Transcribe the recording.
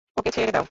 ওকে ছেড়ে দাও!